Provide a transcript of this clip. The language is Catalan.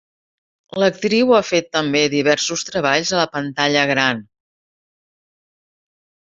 L'actriu ha fet també diversos treballs a la pantalla gran.